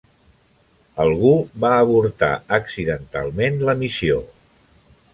Algú va avortar accidentalment la missió.